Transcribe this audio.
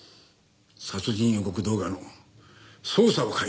殺人予告動画の捜査を開始する。